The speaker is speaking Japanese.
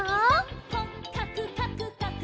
「こっかくかくかく」